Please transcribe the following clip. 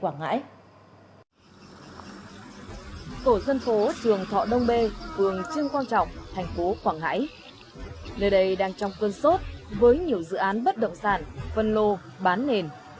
nơi đây đang trong cơn sốt với nhiều dự án bất động sản phân lô bán nền